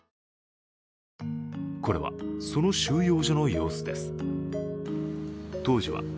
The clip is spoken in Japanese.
これはその収容所の様子です。